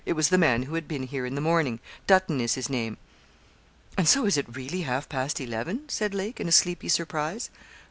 It was the man who had been here in the morning Dutton is his name.' 'And so it is really half past eleven?' said Lake, in a sleepy surprise.